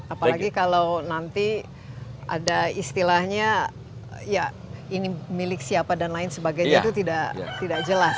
apalagi kalau nanti ada istilahnya ya ini milik siapa dan lain sebagainya itu tidak jelas